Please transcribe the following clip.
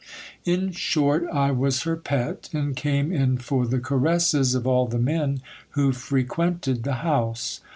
In short, I was her pet, and came in for the caresses of all the men who frequented the house.